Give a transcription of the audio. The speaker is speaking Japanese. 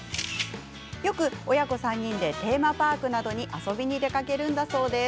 よく親子３人でテーマパークなどに遊びに出かけるんだそうです。